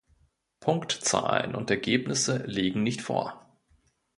Punktzahlen und Ergebnisse liegen nicht vor.